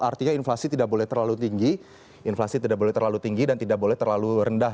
artinya inflasi tidak boleh terlalu tinggi dan tidak boleh terlalu rendah